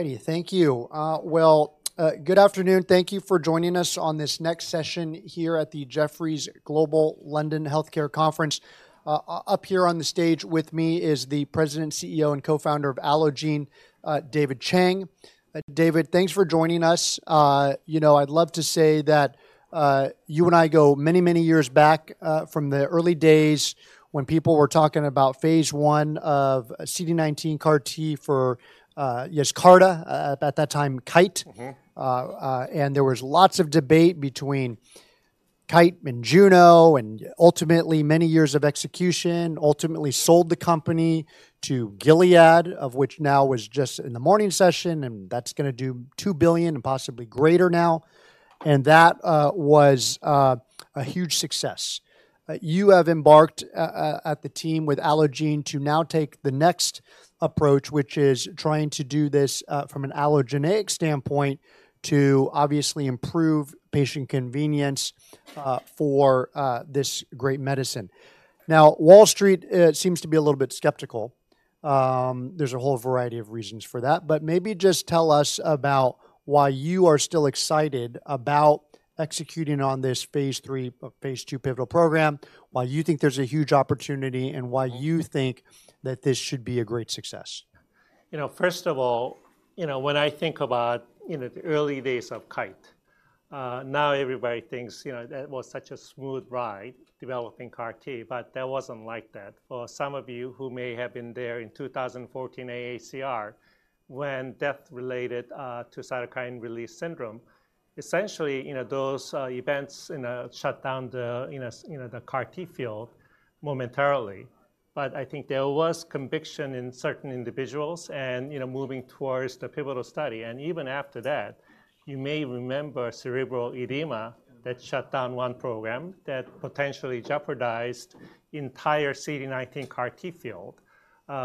All righty, thank you. Well, good afternoon. Thank you for joining us on this next session here at the Jefferies Global London Healthcare Conference. Up here on the stage with me is the President, CEO, and Co-founder of Allogene, David Chang. David, thanks for joining us. You know, I'd love to say that you and I go many, many years back, from the early days when people were talking about phase I of CD19 CAR T for Yescarta, at that time, Kite. Mm-hmm. And there was lots of debate between Kite and Juno, and ultimately many years of execution, ultimately sold the company to Gilead, of which now was just in the morning session, and that's gonna do $2 billion and possibly greater now, and that was a huge success. You have embarked a team with Allogene to now take the next approach, which is trying to do this from an allogeneic standpoint to obviously improve patient convenience for this great medicine. Now, Wall Street seems to be a little bit skeptical. There's a whole variety of reasons for that, but maybe just tell us about why you are still excited about executing on this phase III, phase II pivotal program, why you think there's a huge opportunity, and why you think that this should be a great success. You know, first of all, you know, when I think about, you know, the early days of Kite, now everybody thinks, you know, that was such a smooth ride developing CAR T, but that wasn't like that. For some of you who may have been there in 2014 AACR, when death related to cytokine release syndrome, essentially, you know, those events, you know, shut down the, you know, you know, the CAR T field momentarily. But I think there was conviction in certain individuals and, you know, moving towards the pivotal study, and even after that, you may remember cerebral edema that shut down one program that potentially jeopardized entire CD19 CAR T field.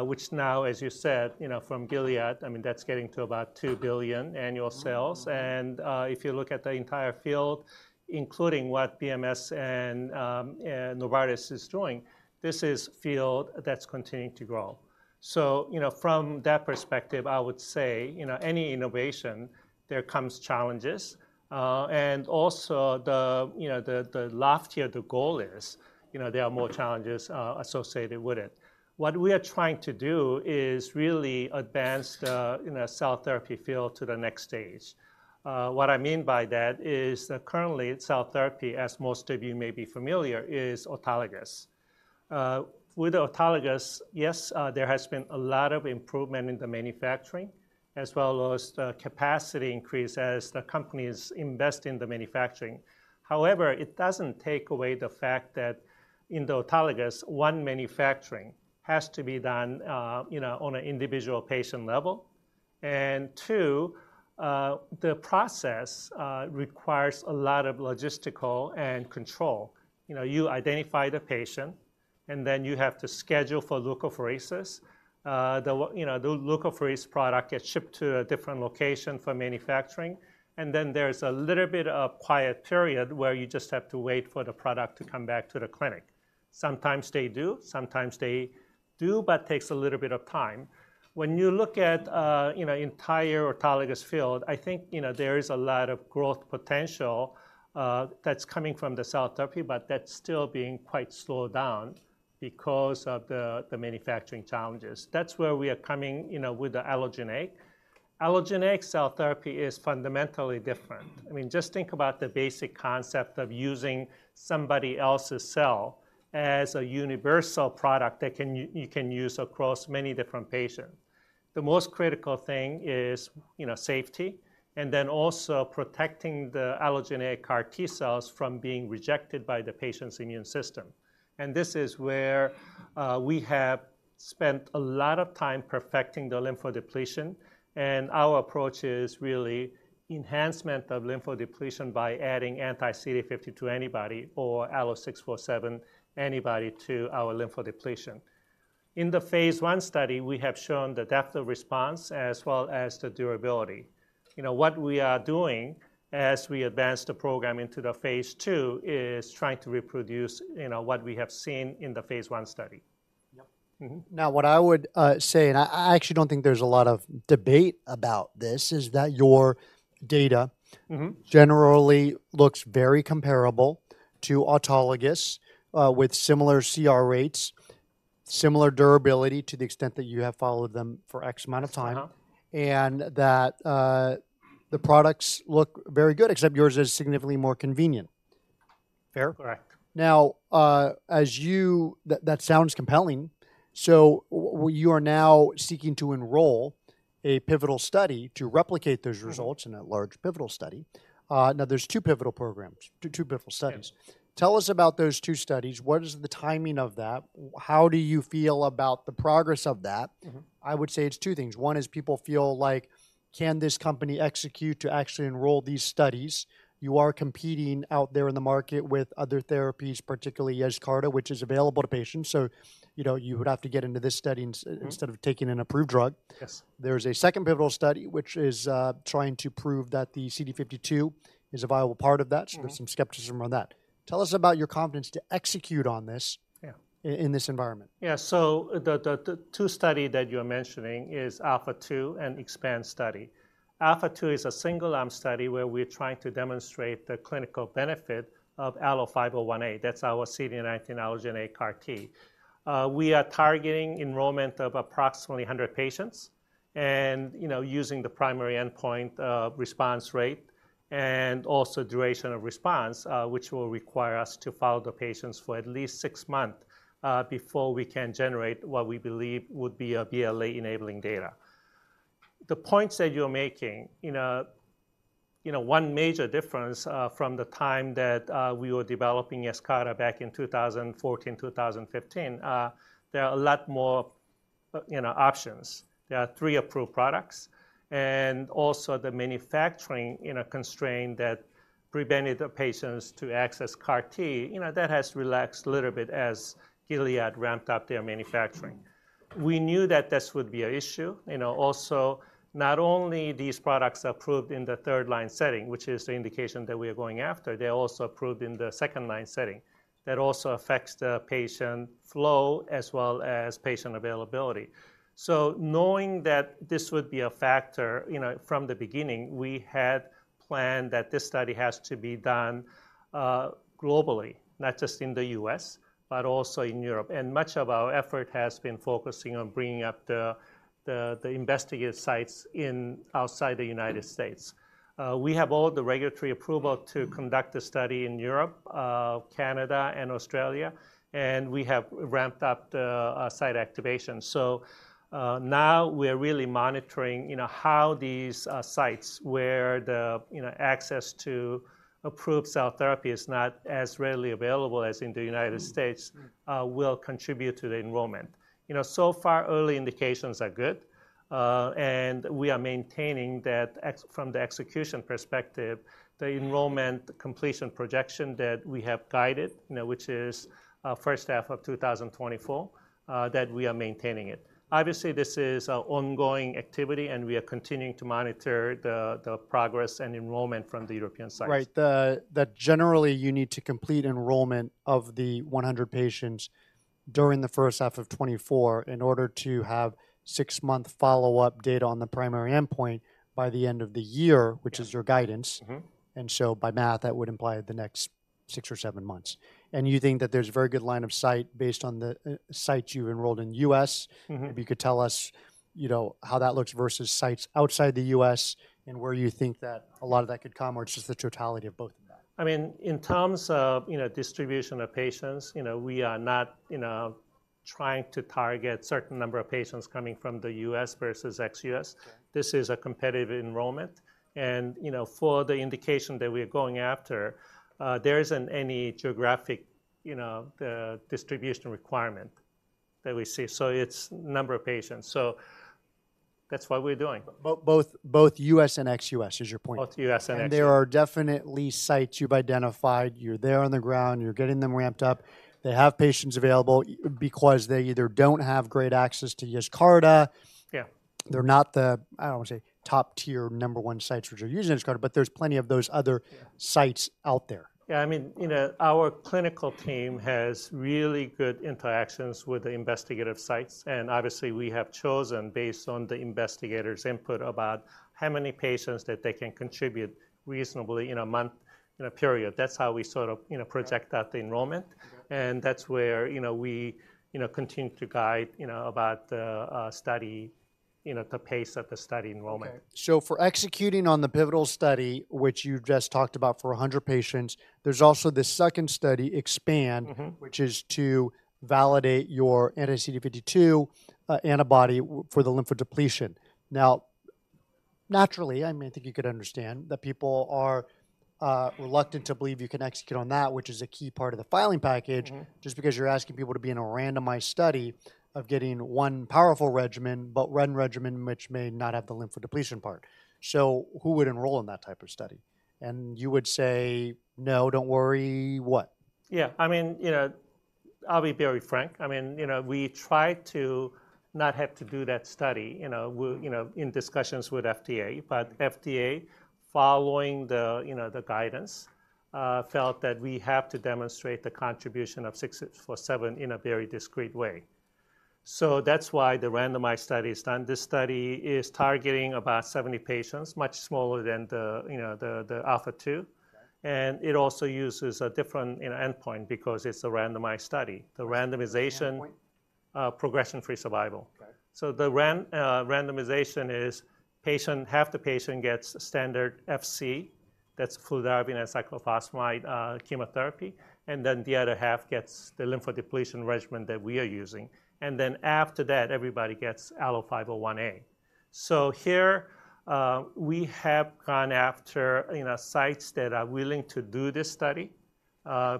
Which now, as you said, you know, from Gilead, I mean, that's getting to about $2 billion annual sales. Mm-hmm, mm-hmm. If you look at the entire field, including what BMS and Novartis is doing, this is a field that's continuing to grow. So, you know, from that perspective, I would say, you know, any innovation, there comes challenges. And also, you know, the loftier the goal is, you know, there are more challenges associated with it. What we are trying to do is really advance the, you know, cell therapy field to the next stage. What I mean by that is that currently cell therapy, as most of you may be familiar, is autologous. With autologous, there has been a lot of improvement in the manufacturing, as well as the capacity increase as the companies invest in the manufacturing. However, it doesn't take away the fact that in the autologous, one, manufacturing has to be done, you know, on an individual patient level, and two, the process requires a lot of logistical and control. You know, you identify the patient, and then you have to schedule for leukapheresis. You know, the leukapheresis product gets shipped to a different location for manufacturing, and then there's a little bit of quiet period where you just have to wait for the product to come back to the clinic. Sometimes they do, sometimes they do, but takes a little bit of time. When you look at, you know, entire autologous field, I think, you know, there is a lot of growth potential, that's coming from the cell therapy, but that's still being quite slowed down because of the manufacturing challenges. That's where we are coming, you know, with the allogeneic. Allogeneic cell therapy is fundamentally different. I mean, just think about the basic concept of using somebody else's cell as a universal product that can you can use across many different patient. The most critical thing is, you know, safety, and then also protecting the allogeneic CAR T cells from being rejected by the patient's immune system. And this is where we have spent a lot of time perfecting the lymphodepletion, and our approach is really enhancement of lymphodepletion by adding anti-CD52 antibody or ALLO-647 antibody to our lymphodepletion. In the phase I study, we have shown the depth of response as well as the durability. You know, what we are doing as we advance the program into the phase II is trying to reproduce, you know, what we have seen in the phase I study. Yep. Mm-hmm. Now, what I would say, and I actually don't think there's a lot of debate about this, is that your data. Mm-hmm. Generally looks very comparable to autologous, with similar CR rates, similar durability to the extent that you have followed them for X amount of time. Uh-huh. And that the products look very good, except yours is significantly more convenient. Fair? Correct. Now, as you... That, that sounds compelling, so you are now seeking to enroll a pivotal study to replicate those results. Mm-hmm. In a large pivotal study. Now, there's two pivotal programs, two, two pivotal studies. Yeah. Tell us about those two studies. What is the timing of that? How do you feel about the progress of that? Mm-hmm. I would say it's two things. One is people feel like, can this company execute to actually enroll these studies? You are competing out there in the market with other therapies, particularly Yescarta, which is available to patients, so, you know, you would have to get into this study in. Mm-hmm. Instead of taking an approved drug. Yes. There is a second pivotal study, which is trying to prove that the CD52 is a viable part of that. Mm-hmm. There's some skepticism around that. Tell us about your confidence to execute on this. Yeah. In this environment. Yeah, so the two study that you're mentioning is ALPHA2 and EXPAND study. ALPHA2 is a single-arm study where we're trying to demonstrate the clinical benefit of ALLO-501A. That's our CD19 allogeneic CAR T. We are targeting enrollment of approximately 100 patients, and, you know, using the primary endpoint, response rate, and also duration of response, which will require us to follow the patients for at least six months, before we can generate what we believe would be a BLA-enabling data. The points that you're making, you know, you know, one major difference, from the time that we were developing Yescarta back in 2014, 2015, there are a lot more, you know, options. There are three approved products, and also the manufacturing constraint that prevented the patients to access CAR T. You know, that has relaxed a little bit as Gilead ramped up their manufacturing. We knew that this would be an issue. You know, also, not only these products are approved in the third-line setting, which is the indication that we are going after, they're also approved in the second-line setting. That also affects the patient flow as well as patient availability. So knowing that this would be a factor, you know, from the beginning, we had planned that this study has to be done globally, not just in the U.S., but also in Europe. And much of our effort has been focusing on bringing up the investigator sites outside the United States. We have all the regulatory approval to conduct a study in Europe, Canada, and Australia, and we have ramped up the site activation. Now we're really monitoring, you know, how these sites where the, you know, access to approved cell therapy is not as readily available as in the United States will contribute to the enrollment. You know, so far, early indications are good, and we are maintaining that ex- from the execution perspective, the enrollment completion projection that we have guided, you know, which is first half of 2024, that we are maintaining it. Obviously, this is an ongoing activity, and we are continuing to monitor the progress and enrollment from the European sites. Right. Generally, you need to complete enrollment of the 100 patients during the first half of 2024 in order to have six-month follow-up data on the primary endpoint by the end of the year, which is your guidance. Mm-hmm. By math, that would imply the next six or seven months. You think that there's a very good line of sight based on the sites you enrolled in U.S.? Mm-hmm. If you could tell us, you know, how that looks versus sites outside the U.S. and where you think that a lot of that could come, or it's just the totality of both of that? I mean, in terms of, you know, distribution of patients, you know, we are not, you know, trying to target certain number of patients coming from the U.S. versus ex-U.S. Okay. This is a competitive enrollment, and, you know, for the indication that we are going after, there isn't any geographic, you know, distribution requirement that we see. So it's number of patients. So that's what we're doing. Both, both U.S. and ex-U.S., is your point? Both US and ex-US. There are definitely sites you've identified, you're there on the ground, you're getting them ramped up. They have patients available because they either don't have great access to Yescarta. Yeah. They're not the, I don't want to say, top-tier, number one sites which are using Yescarta, but there's plenty of those other. Yeah. Sites out there. Yeah, I mean, you know, our clinical team has really good interactions with the investigative sites, and obviously, we have chosen based on the investigator's input about how many patients that they can contribute reasonably in a month, in a period. That's how we sort of, you know, project out the enrollment. Okay. That's where, you know, we, you know, continue to guide, you know, about the, study, you know, the pace of the study enrollment. Okay. So for executing on the pivotal study, which you just talked about for 100 patients, there's also this second study, EXPAND. Mm-hmm. Which is to validate your anti-CD52 antibody for the lymphodepletion. Now, naturally, I mean, I think you could understand that people are reluctant to believe you can execute on that, which is a key part of the filing package. Mm-hmm. Just because you're asking people to be in a randomized study of getting one powerful regimen, but one regimen which may not have the lymphodepletion part. So who would enroll in that type of study? And you would say, "No, don't worry," what? Yeah. I mean, you know, I'll be very frank. I mean, you know, we try to not have to do that study, you know, in discussions with FDA. But FDA, following the, you know, the guidance, felt that we have to demonstrate the contribution of ALLO-647 in a very discrete way. So that's why the randomized study is done. This study is targeting about 70 patients, much smaller than the, you know, the, the ALPHA2. Okay. It also uses a different, you know, endpoint because it's a randomized study. The randomization. Endpoint? Progression-free survival. Okay. So the randomization is patients—half the patients get standard FC, that's fludarabine and cyclophosphamide chemotherapy, and then the other half gets the lymphodepletion regimen that we are using. And then after that, everybody gets ALLO-501A. So here, we have gone after, you know, sites that are willing to do this study,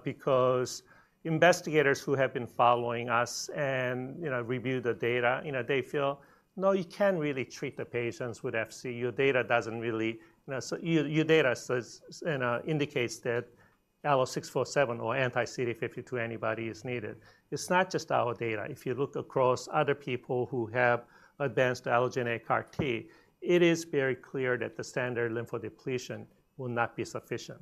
because investigators who have been following us and, you know, review the data, you know, they feel, "No, you can't really treat the patients with FC. Your data doesn't really—your data says, you know, indicates that ALLO-647 or anti-CD52 antibody is needed." It's not just our data. If you look across other people who have advanced allogeneic CAR T, it is very clear that the standard lymphodepletion will not be sufficient.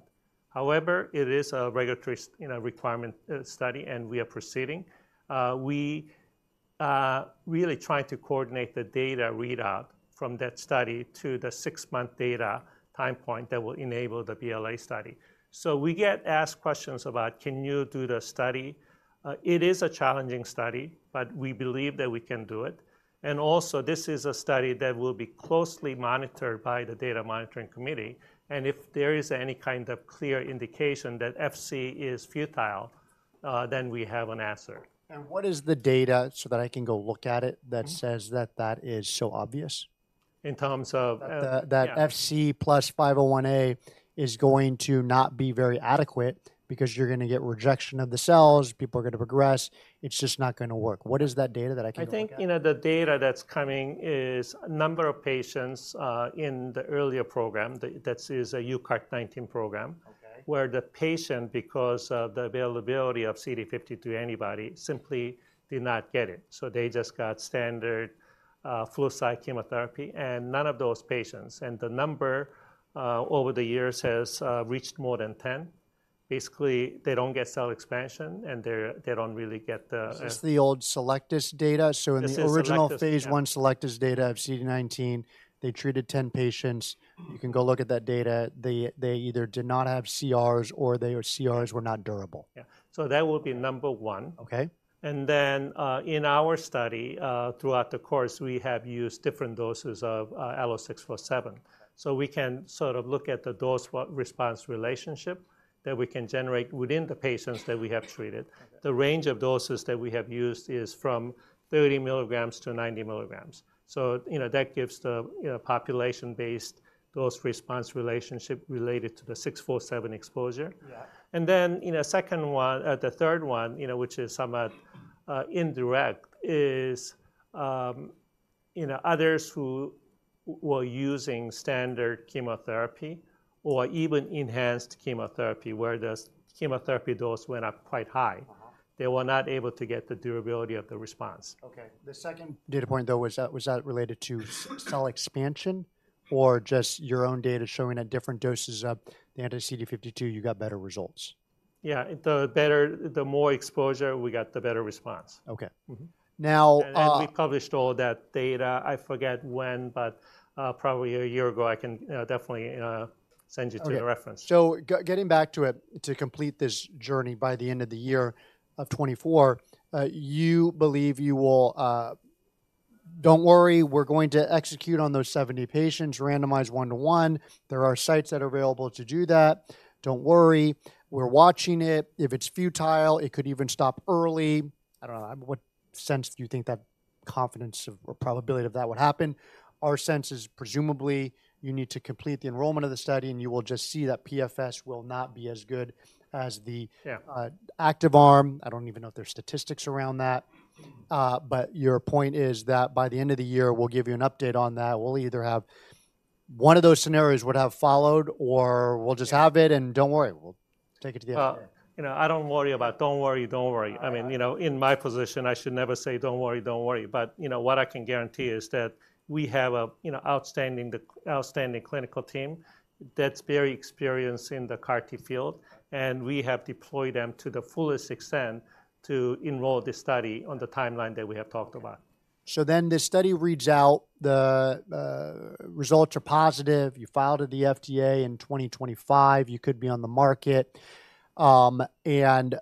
However, it is a regulatory, you know, requirement study, and we are proceeding. We're really trying to coordinate the data readout from that study to the six-month data time point that will enable the BLA study. So we get asked questions about: Can you do the study? It is a challenging study, but we believe that we can do it, and also, this is a study that will be closely monitored by the data monitoring committee, and if there is any kind of clear indication that FC is futile, then we have an answer. What is the data, so that I can go look at it? Mm-hmm That says that that is so obvious? In terms of, yeah. That FC plus 501A is going to not be very adequate because you're going to get rejection of the cells, people are going to progress. It's just not going to work. What is that data that I can look at? I think, you know, the data that's coming is number of patients in the earlier program, that is a UCART19 program. Okay Where the patient, because of the availability of CD52 antibody, simply did not get it, so they just got standard fludarabine cyclophosphamide chemotherapy, and none of those patients, and the number, over the years has reached more than 10. Basically, they don't get cell expansion, and they don't really get the. This is the old Cellectis data. This is Cellectis, yeah. In the original phase I Cellectis data of CD19, they treated 10 patients. Mm-hmm. You can go look at that data. They, they either did not have CRs or their CRs were not durable. Yeah. So that will be number one. Okay. And then, in our study, throughout the course, we have used different doses of ALLO-647. So we can sort of look at the dose-response relationship that we can generate within the patients that we have treated. The range of doses that we have used is from 30-90 milligrams. So, you know, that gives the, you know, population-based dose-response relationship related to the ALLO-647 exposure. Yeah. And then, you know, second one, the third one, you know, which is somewhat indirect, is, you know, others who were using standard chemotherapy or even enhanced chemotherapy, where the chemotherapy dose went up quite high. Uh-huh They were not able to get the durability of the response. Okay, the second data point, though, was that, was that related to cell expansion or just your own data showing that different doses of the anti-CD52, you got better results? Yeah, the more exposure we got, the better response. Okay. Mm-hmm. Now, We published all that data. I forget when, but probably a year ago. I can definitely send you to the reference. Okay. So getting back to it, to complete this journey by the end of the year of 2024, you believe you will... "Don't worry, we're going to execute on those 70 patients, randomize 1 to 1. There are sites that are available to do that. Don't worry, we're watching it. If it's futile, it could even stop early." I don't know, what sense do you think that confidence of, or probability of that would happen? Our sense is, presumably, you need to complete the enrollment of the study, and you will just see that PFS will not be as good as the. Yeah. Active arm. I don't even know if there's statistics around that. But your point is that by the end of the year, we'll give you an update on that. We'll either have one of those scenarios would have followed, or we'll just have it, and don't worry, we'll take it to the end. Well, you know, I don't worry about, "Don't worry, don't worry. Uh-huh. I mean, you know, in my position, I should never say, "Don't worry, don't worry." But, you know, what I can guarantee is that we have a, you know, outstanding outstanding clinical team that's very experienced in the CAR T field, and we have deployed them to the fullest extent to enroll this study on the timeline that we have talked about. So then the study reads out the results are positive. You filed with the FDA in 2025, you could be on the market. And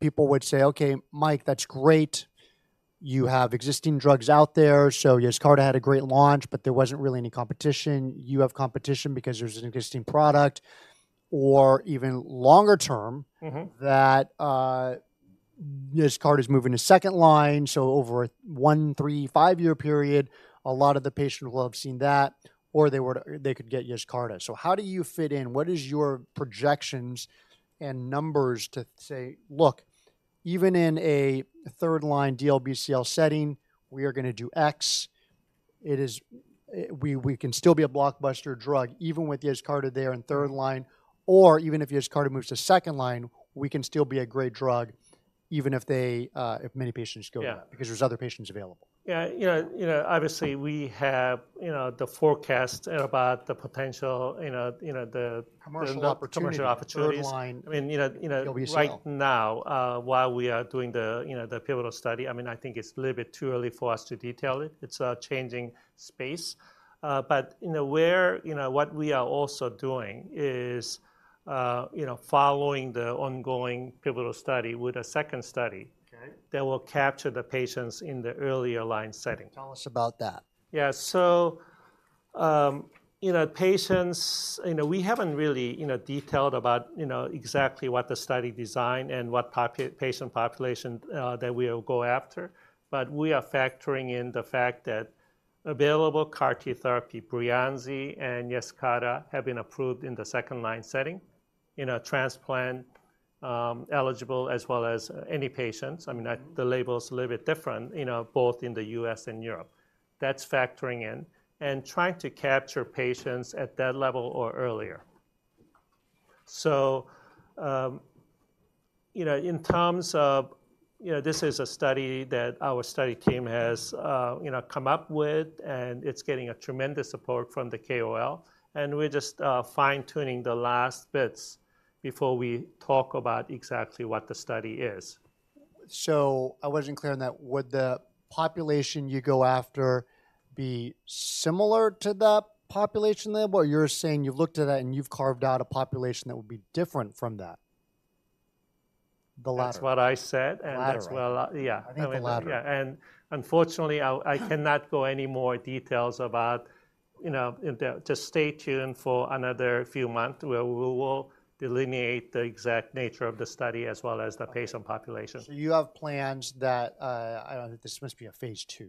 people would say, "Okay, Mike, that's great. You have existing drugs out there, so Yescarta had a great launch, but there wasn't really any competition. You have competition because there's an existing product," or even longer term. Mm-hmm. That, Yescarta is moving to second line, so over a one, three, five-year period, a lot of the patients will have seen that, or they would, they could get Yescarta. So how do you fit in? What is your projections and numbers to say, "Look, even in a third-line DLBCL setting, we are going to do X. It is, we, we can still be a blockbuster drug, even with Yescarta there in third line, or even if Yescarta moves to second line, we can still be a great drug, even if they, if many patients go to that- Yeah. Because there's other patients available. Yeah, you know, you know, obviously, we have, you know, the forecast about the potential, you know, you know, the. Commercial opportunity. Commercial opportunities. Third line. I mean, you know, you know. DLBCL Right now, while we are doing the, you know, the pivotal study, I mean, I think it's a little bit too early for us to detail it. It's a changing space, but you know, where, you know, what we are also doing is, you know, following the ongoing pivotal study with a second study. Okay. That will capture the patients in the earlier line setting. Tell us about that. Yeah. So, you know, patients, you know, we haven't really, you know, detailed about, you know, exactly what the study design and what patient population that we will go after, but we are factoring in the fact that available CAR T therapy, Breyanzi and Yescarta, have been approved in the second-line setting, you know, transplant eligible, as well as any patients. Mm-hmm. I mean, the label is a little bit different, you know, both in the U.S. and Europe. That's factoring in and trying to capture patients at that level or earlier. So, you know, in terms of... You know, this is a study that our study team has, you know, come up with, and it's getting a tremendous support from the KOL, and we're just, fine-tuning the last bits.... before we talk about exactly what the study is. I wasn't clear on that. Would the population you go after be similar to that population label? Or you're saying you've looked at that, and you've carved out a population that would be different from that? The latter. That's what I said, and. Latter. That's what I, yeah. I think the latter. Yeah, and unfortunately, I cannot go any more details about, you know, the—just stay tuned for another few months, where we will delineate the exact nature of the study as well as the patient population. You have plans that, I don't know, this must be a phase II.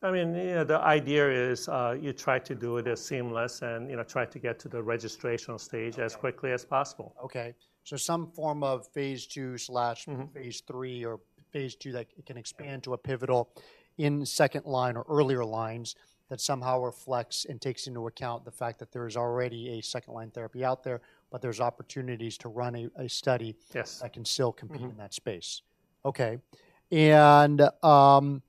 I mean, yeah, the idea is, you try to do it as seamless and, you know, try to get to the registrational stage as quickly as possible. Okay. So some form of phase II slash. Mm-hmm. Phase III, or phase II that can expand to a pivotal in second line or earlier lines, that somehow reflects and takes into account the fact that there is already a second-line therapy out there, but there's opportunities to run a study. Yes. That can still compete. Mm-hmm. In that space. Okay. And, so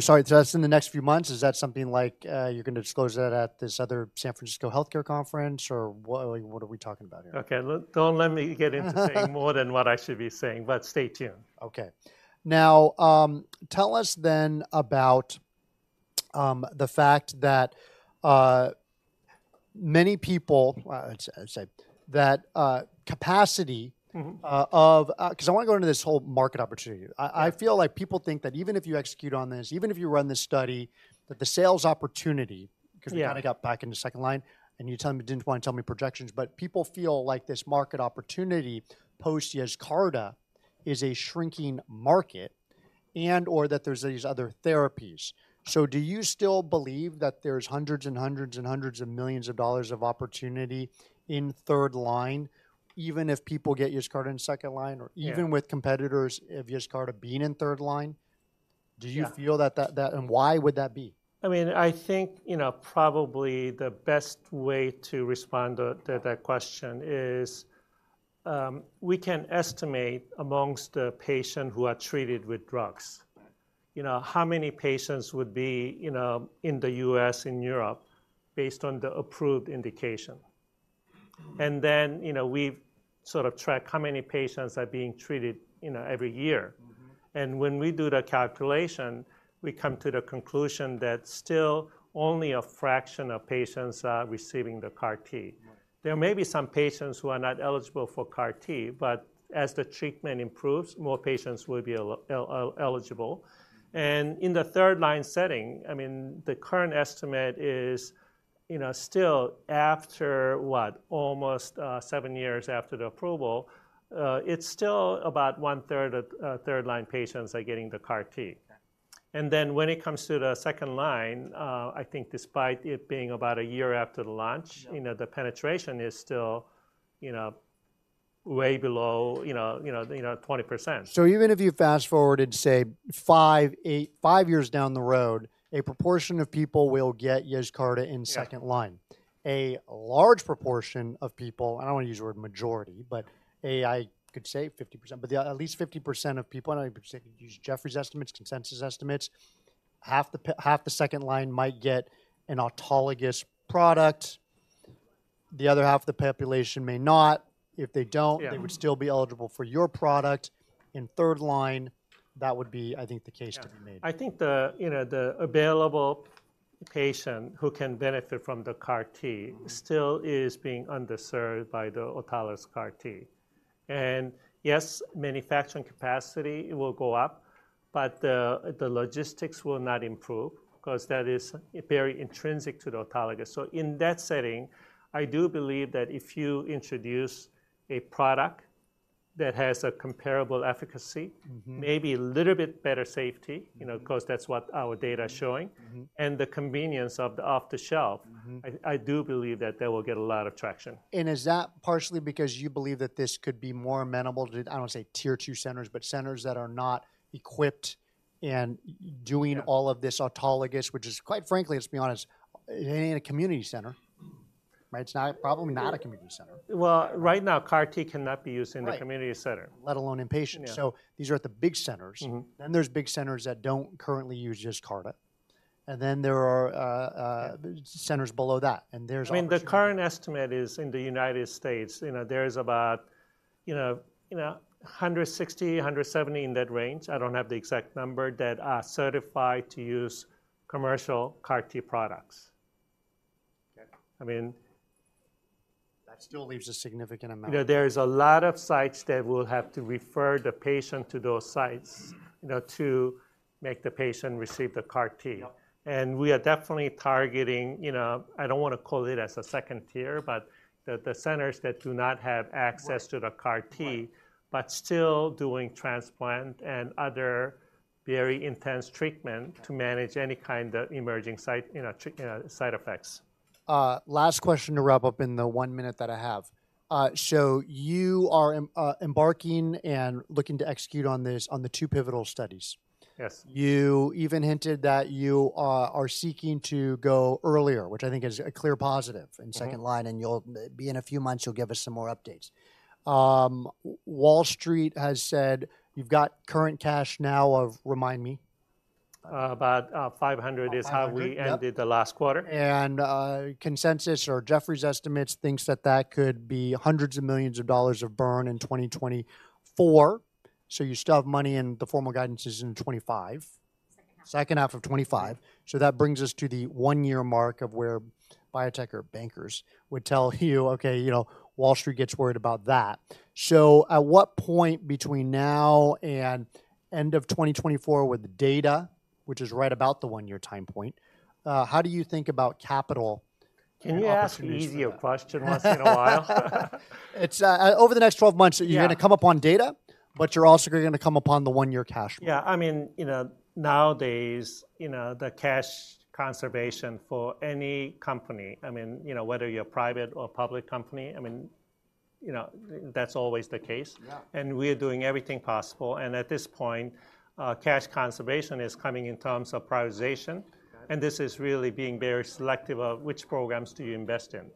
sorry, just in the next few months, is that something like, you're gonna disclose that at this other San Francisco Healthcare Conference, or what, what are we talking about here? Okay, look, don't let me get into saying more than what I should be saying, but stay tuned. Okay. Now, tell us then about the fact that many people, I'd say, that capacity. Mm-hmm. Of, 'cause I wanna go into this whole market opportunity. Yeah. I, I feel like people think that even if you execute on this, even if you run this study, that the sales opportunity. Yeah. Cause we kind of got back into second line, and you told me you didn't want to tell me projections, but people feel like this market opportunity post Yescarta is a shrinking market and/or that there's these other therapies. So do you still believe that there's hundreds and hundreds and hundreds of millions of dollars of opportunity in third line, even if people get Yescarta in second line, or. Yeah. Even with competitors of Yescarta being in third line? Yeah. Do you feel that, and why would that be? I mean, I think, you know, probably the best way to respond to that question is, we can estimate amongst the patient who are treated with drugs. Right. You know, how many patients would be, you know, in the U.S. and Europe, based on the approved indication? And then, you know, we've sort of tracked how many patients are being treated, you know, every year. Mm-hmm. When we do the calculation, we come to the conclusion that still only a fraction of patients are receiving the CAR T. Right. There may be some patients who are not eligible for CAR T, but as the treatment improves, more patients will be eligible. And in the third-line setting, I mean, the current estimate is, you know, still after, what, almost seven years after the approval, it's still about one third of third-line patients are getting the CAR T. Yeah. And then, when it comes to the second line, I think despite it being about a year after the launch- Yeah You know, the penetration is still, you know, way below, you know, you know, you know, 20%. Even if you fast-forwarded, say, five, egiht, five years down the road, a proportion of people will get Yescarta in second line. Yeah. A large proportion of people, I don't want to use the word majority, but I could say 50%, but at least 50% of people, and I could use Jefferies estimates, consensus estimates, half the second-line might get an autologous product. The other half of the population may not. If they don't. Yeah. They would still be eligible for your product. In third line, that would be, I think, the case to be made. Yeah. I think the, you know, the available patient who can benefit from the CAR T. Mm. Still is being underserved by the autologous CAR T. And yes, manufacturing capacity will go up, but the logistics will not improve because that is very intrinsic to the autologous. So in that setting, I do believe that if you introduce a product that has a comparable efficacy. Mm-hmm. Maybe a little bit better safety, you know, 'cause that's what our data is showing. Mm-hmm. And the convenience of the off-the-shelf. Mm-hmm. I do believe that that will get a lot of traction. Is that partially because you believe that this could be more amenable to, I don't want to say tier two centers, but centers that are not equipped and doing. Yeah. All of this autologous, which is, quite frankly, let's be honest, it ain't a community center, right? It's not, probably not a community center. Well, right now, CAR T cannot be used in. Right. The community center. Let alone in patients. Yeah. These are at the big centers. Mm-hmm. Then there's big centers that don't currently use Yescarta, and then there are. Yeah. Centers below that, and there's opportunities. I mean, the current estimate is in the United States, you know, there is about, you know, you know, 160-170, in that range, I don't have the exact number, that are certified to use commercial CAR T products. Okay. I mean. That still leaves a significant amount. You know, there's a lot of sites that will have to refer the patient to those sites, you know, to make the patient receive the CAR T. Yep. We are definitely targeting, you know, I don't want to call it as a second tier, but the centers that do not have access to the CAR T. Right. But still doing transplant and other very intense treatment. Okay. To manage any kind of emerging side, you know, side effects. Last question to wrap up in the one minute that I have. So you are embarking and looking to execute on this, on the two pivotal studies? Yes. You even hinted that you are seeking to go earlier, which I think is a clear positive in second line. Mm-hmm. And you'll be in a few months, you'll give us some more updates. Wall Street has said you've got current cash now of, remind me? About 500 is how we. 500, yep. ended the last quarter. Consensus or Jefferies estimates thinks that that could be $hundreds of millions of burn in 2024. You still have money, and the formal guidance is in 2025. Second half. Second half of 2025. So that brings us to the one-year mark of where biotech or bankers would tell you: "Okay, you know, Wall Street gets worried about that." So at what point between now and end of 2024 with data, which is right about the one-year time point, how do you think about capital and opportunities for that? Can you ask an easier question once in a while? It's over the next 12 months. Yeah. You're gonna come up on data, but you're also gonna come upon the one-year cash mark. Yeah, I mean, you know, nowadays, you know, the cash conservation for any company, I mean, you know, whether you're private or public company, I mean, you know, that's always the case. Yeah. We are doing everything possible, and at this point, cash conservation is coming in terms of prioritization. Okay. This is really being very selective of which programs do you invest in. Okay.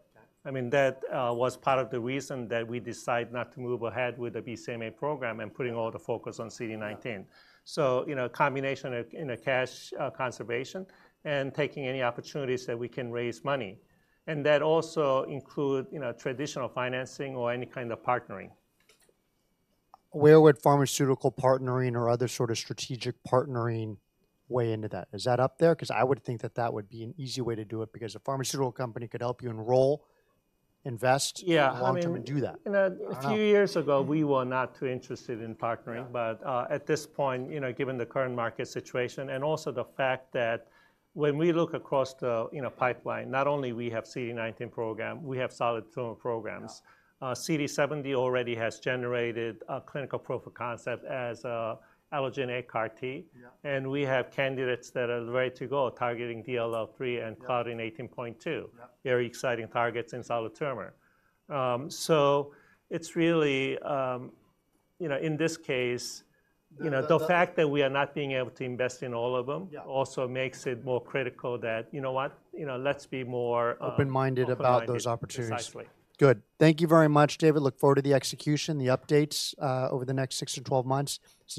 I mean, that was part of the reason that we decided not to move ahead with the BCMA program and putting all the focus on CD19. Yeah. So, you know, combination of, you know, cash conservation and taking any opportunities that we can raise money, and that also include, you know, traditional financing or any kind of partnering. Where would pharmaceutical partnering or other sort of strategic partnering weigh into that? Is that up there? 'Cause I would think that that would be an easy way to do it, because a pharmaceutical company could help you enroll, invest- Yeah, I mean. Long term and do that. Uh-huh. You know, a few years ago, we were not too interested in partnering. Yeah. But, at this point, you know, given the current market situation, and also the fact that when we look across the you know pipeline, not only we have CD19 program, we have solid tumor programs. Yeah. CD70 already has generated a clinical proof of concept as, allogeneic CAR T. Yeah. And we have candidates that are ready to go, targeting DLL3 and Claudin 18.2. Yeah. Very exciting targets in solid tumor. So it's really... You know, in this case, you know. The. The fact that we are not being able to invest in all of them. Yeah. Also makes it more critical that, you know what? You know, let's be more. Open-minded about those opportunities. Precisely. Good. Thank you very much, David. Look forward to the execution, the updates, over the next six-12 months.